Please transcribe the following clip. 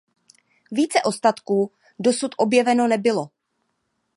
Více ostatků dosud objeveno nebylo.